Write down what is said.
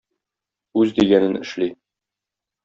Үз дигәнен эшли